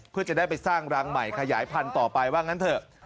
เพื่อจะได้ไปสร้างรังใหม่ขยายพันธุ์ต่อไปว่างั้นเถอะ